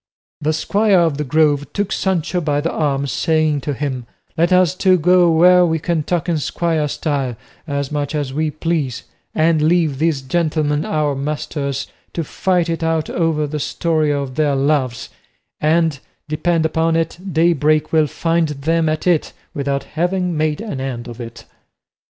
The squire of the Grove took Sancho by the arm, saying to him, "Let us two go where we can talk in squire style as much as we please, and leave these gentlemen our masters to fight it out over the story of their loves; and, depend upon it, daybreak will find them at it without having made an end of it."